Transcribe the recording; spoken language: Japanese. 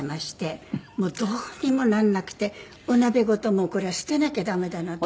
どうにもなんなくてお鍋ごとこれは捨てなきゃ駄目だなと。